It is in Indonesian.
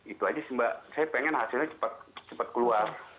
itu saja mbak saya ingin hasilnya cepat keluar